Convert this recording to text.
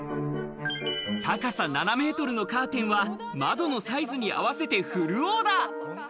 高さ７メートルのカーテンは、窓のサイズに合わせてフルオーダー！